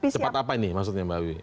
cepat apa ini maksudnya mbak wiwi